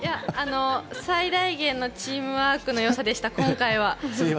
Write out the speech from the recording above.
最大限のチームワークのよさでした、今回は。